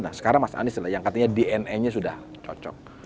nah sekarang mas anies lah yang katanya dnanya sudah cocok